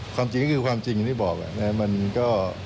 ความจริงอย่างที่บอกมันก็